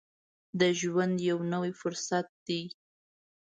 د ژوند یو نوی فرصت دی.